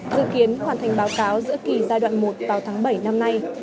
dự kiến hoàn thành báo cáo giữa kỳ giai đoạn một vào tháng bảy năm nay